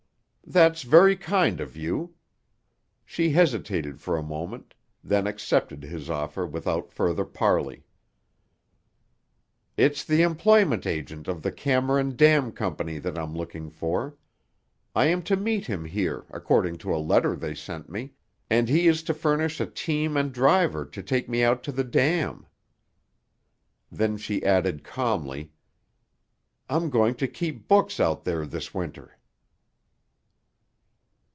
"That's very kind of you." She hesitated for a moment, then accepted his offer without further parley. "It's the employment agent of the Cameron Dam Company that I'm looking for. I am to meet him here, according to a letter they sent me, and he is to furnish a team and driver to take me out to the Dam." Then she added calmly, "I'm going to keep books out there this Winter."